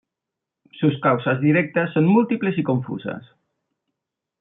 Sus causas directas son múltiples y confusas.